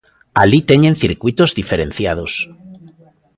Alí teñen circuítos diferenciados.